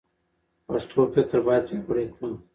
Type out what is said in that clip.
پښتو فکر باید پیاوړی کړو.